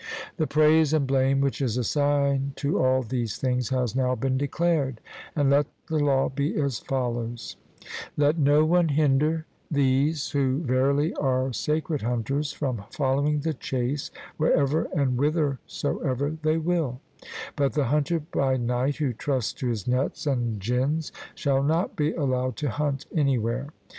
The praise and blame which is assigned to all these things has now been declared; and let the law be as follows: Let no one hinder these who verily are sacred hunters from following the chase wherever and whithersoever they will; but the hunter by night, who trusts to his nets and gins, shall not be allowed to hunt anywhere.